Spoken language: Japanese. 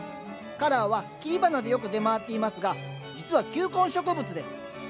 カラーは切り花でよく出回っていますが実は球根植物です。